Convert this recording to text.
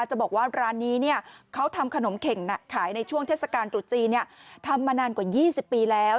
จะบอกว่าร้านนี้เขาทำขนมเข็งขายในช่วงเทศกาลตรุษจีนทำมานานกว่า๒๐ปีแล้ว